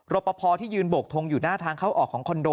ปภที่ยืนโบกทงอยู่หน้าทางเข้าออกของคอนโด